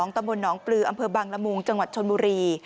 ตำบลหนองปลืออำเภอบังละมุงจังหวัดชนบุรี